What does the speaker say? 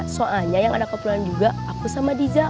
soalnya yang ada keperluan juga aku sama diza